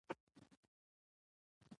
پیاز د سینې تنګوالی کموي